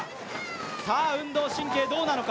さぁ、運動神経どうなのか？